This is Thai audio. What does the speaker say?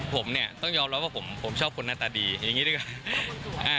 ผมเนี่ยต้องยอมรับว่าผมชอบคนหน้าตาดีอย่างนี้ดีกว่า